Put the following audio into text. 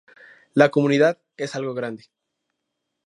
La Comunidad es algo grande.